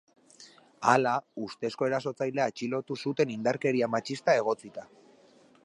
Hala, ustezko erasotzailea atxilotu zuten indarkeria matxista egotzita.